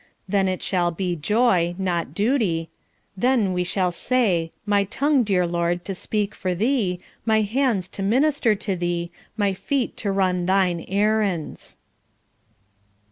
Then shall it be "joy, nor duty," then we shall say, My tongue, dear Lord, to speak for Thee, my hands to minister to Thee, my feet to run Thine errands. MRS.